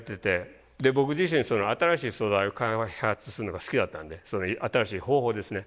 僕自身新しい素材を開発するのが好きだったんで新しい方法ですね。